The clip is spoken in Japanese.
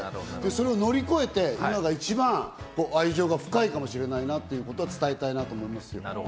それを乗り越えて、今が一番愛情が深いかもしれないなっていうことを伝えたいなと思います。